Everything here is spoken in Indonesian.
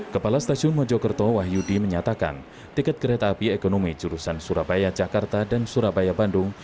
kepala stasiun mojokerto wahyudi menyatakan tiket kereta api ekonomi jurusan surabaya jakarta dan surabaya bandung